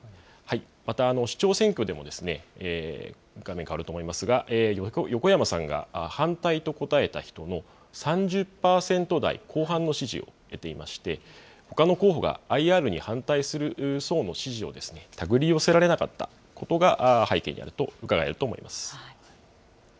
また、市長選挙でも、画面変わると思いますが、横山さんが反対と答えた人の３０％台後半の支持を得ていまして、ほかの候補がＩＲに反対する層の支持を手繰り寄せられなかったことが背景にあるとうかがえると思います。